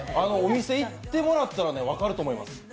お店行ってもらったら分かると思います。